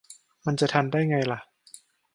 มันจะทันได้ไงล่ะ